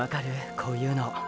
こういうの。